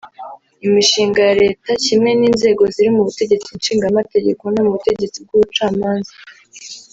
imishinga ya Leta kimwe n’inzego ziri mu butegetsi Nshingamategeko no mu butegetsi bw’Ubucamanza